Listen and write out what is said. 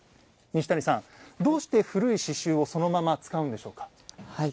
西谷さんどうして古い刺しゅうをそのまま使うんでしょうか？